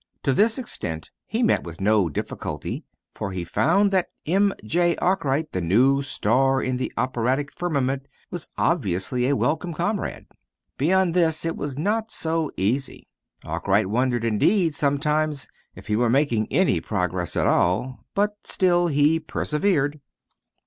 To this extent he met with no difficulty, for he found that M. J. Arkwright, the new star in the operatic firmament, was obviously a welcome comrade. Beyond this it was not so easy. Arkwright wondered, indeed, sometimes, if he were making any progress at all. But still he persevered.